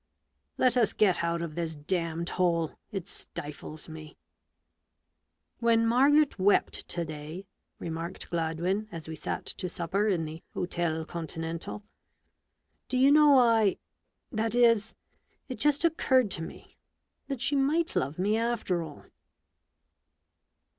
" Let us get out of this damned hole — it stifles me !" "When Margaret wept to day," remarked Gladwin, as we sat to supper in the Hotel Continental, "do you know I — that is, it just occurred to me, that she might love me after all